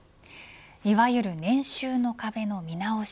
いわゆる年収の壁の見直し